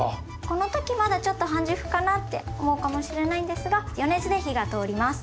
この時まだちょっと半熟かなって思うかもしれないんですが余熱で火が通ります。